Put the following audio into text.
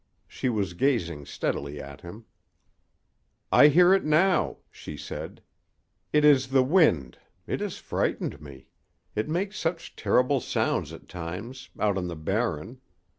She was gazing steadily at him. "I hear it now," she said. "It is the wind. It has frightened me. It makes such terrible sounds at times out on the Barren.